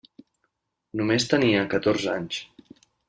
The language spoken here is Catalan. Només tenia catorze anys.